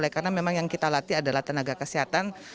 karena memang yang kita latih adalah tenaga kesehatan